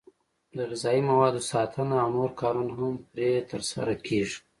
د غذایي موادو ساتنه او نور کارونه هم پرې ترسره کېږي.